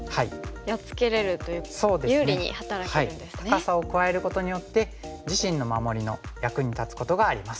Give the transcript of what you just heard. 高さを加えることによって自身の守りの役に立つことがあります。